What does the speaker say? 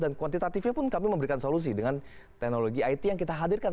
dan kuantitatifnya pun kami memberikan solusi dengan teknologi it yang kita hadirkan